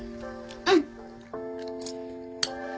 うん。